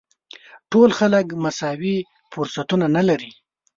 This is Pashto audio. ټول خلک مساوي فرصتونه نه لري.